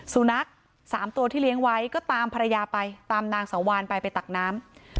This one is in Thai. สุนัข๓ตัวที่เลี้ยงไว้ก็ตามภรรยาไปตามนางสังวานไปไปตักน้ำ